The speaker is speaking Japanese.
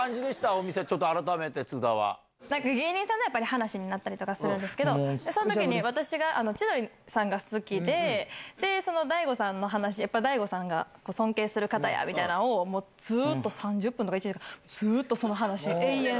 お店、なんか芸人さんの話になったりとかするんですけれども、そのときに私が千鳥さんが好きで、大悟さんの話、やっぱ大悟さんが、尊敬する方やみたいなのをずっと３０分とか、１時間、ずーっとその話、延々。